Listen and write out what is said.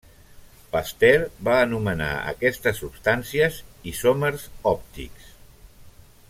Pasteur va anomenar a aquestes substàncies isòmers òptics.